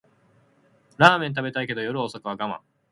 ラーメン食べたいけど夜遅くは我慢